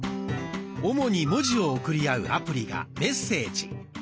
主に文字を送り合うアプリが「メッセージ」。